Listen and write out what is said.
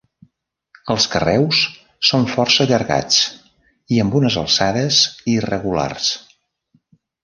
Els carreus són força allargats i amb unes alçades irregulars.